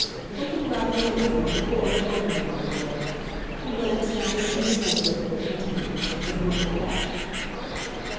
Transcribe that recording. Looking rather annoyed, the coroner opened the envelope. He glanced down the sheet of notepaper it contained. Then he looked up.